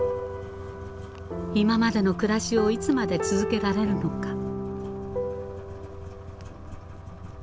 今までの暮らしをいつまで続けられるのか。